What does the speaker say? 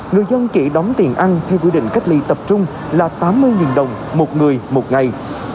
người dân chỉ đóng tiền ăn theo quy định cách ly tập trung là tám mươi đồng một người một ngày